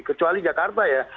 kecuali jakarta ya